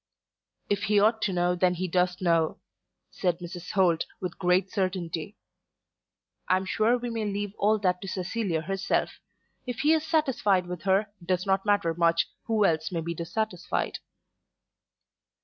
"If he ought to know then he does know," said Mrs. Holt with great certainty. "I am sure we may leave all that to Cecilia herself. If he is satisfied with her, it does not matter much who else may be dissatisfied."